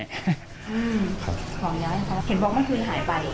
เห็นบอกว่าพื้นหายไป